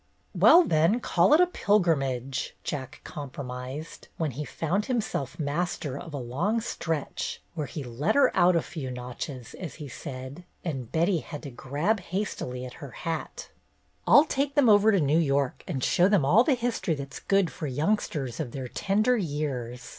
"Well, then, call it a pilgrimage," Jack com promised, when he found himself master of a long stretch where he "let her out a few notches," as he said, and Betty had to grab hastily at her hat. 236 BETTY BAIRD'S GOLDEN YEAR "I'll take them over to New York and show them all the history that's good for youngsters of their tender years.